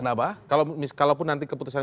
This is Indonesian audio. kenapa kalaupun nanti keputusan